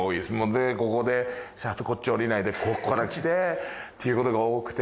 でここでシャフトこっち下りないでここからきてっていうことが多くて。